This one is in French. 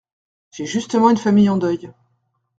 J’ai justement une famille en deuil…